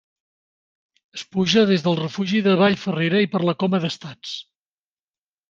Es puja des del refugi de vall Ferrera i per la coma d'Estats.